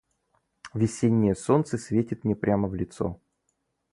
Весеннее солнце светит мне прямо в лицо.